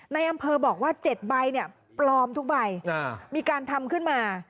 ในอำเภอบอกว่า๗ใบปลอมทุกใบมีการทำขึ้นมา